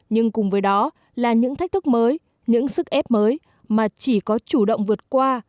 nhưng cùng với đó là những thách thức mới những sức ép mới mà chỉ có chủ động vượt qua